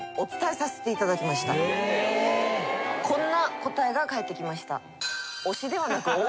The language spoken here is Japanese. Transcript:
こんな答えが返ってきました。